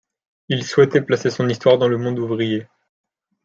Il souhaitait placer son histoire dans le monde ouvrier.